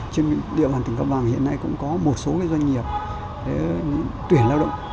trên địa bàn tỉnh cao bằng hiện nay cũng có một số doanh nghiệp tuyển lao động